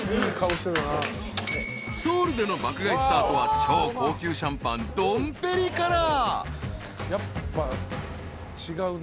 ［ソウルでの爆買いスタートは超高級シャンパンドンペリから］